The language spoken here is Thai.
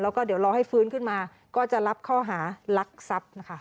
แล้วก็เดี๋ยวรอให้ฟื้นขึ้นมาก็จะรับข้อหารักทรัพย์นะคะ